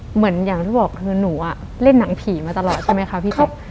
เหมือนอย่างที่บอกหนูเล่นหนังผีมาตลอดใช่ไหมครับ